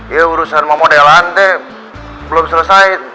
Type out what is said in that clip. ya urusan pemodelan deh belum selesai